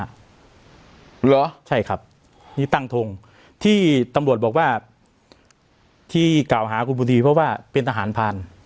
เหรอใช่ครับนี่ตั้งทงที่ตำรวจบอกว่าที่กล่าวหาคุณบุรีเพราะว่าเป็นทหารผ่าน